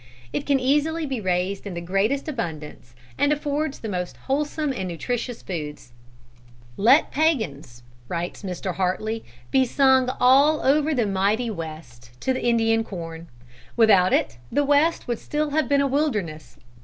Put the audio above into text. It can easily be raised in the greatest abundance, and affords the most wholesome and nutritious food. "Let pæans," writes Mr. Hartly, "be sung all over the mighty West, to Indian Corn. Without it, the West would still have been a wilderness.